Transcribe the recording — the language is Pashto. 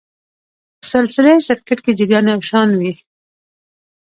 سلسلې سرکټ کې جریان یو شان وي.